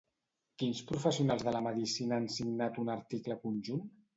Quins professionals de la medicina han signat un article conjunt?